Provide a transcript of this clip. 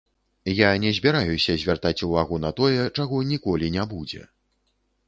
Я не збіраюся звяртаць увагу на тое, чаго ніколі не будзе.